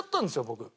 僕。